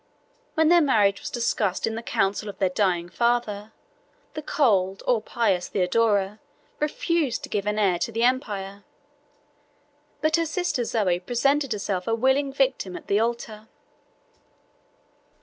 When their marriage was discussed in the council of their dying father, the cold or pious Theodora refused to give an heir to the empire, but her sister Zoe presented herself a willing victim at the altar.